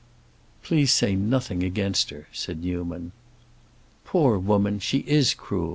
"Please say nothing against her," said Newman. "Poor woman, she is cruel.